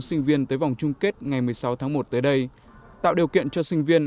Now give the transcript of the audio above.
sinh viên tới vòng chung kết ngày một mươi sáu tháng một tới đây tạo điều kiện cho sinh viên